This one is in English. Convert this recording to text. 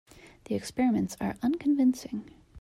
The experiments are unconvincing.